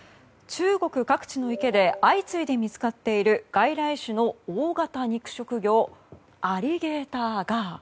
中国各地の池で相次いで見つかっている外来種の大型肉食魚アリゲーターガー。